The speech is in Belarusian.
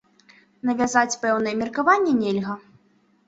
Навязаць пэўнае меркаванне нельга.